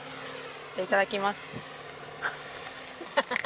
いただきます。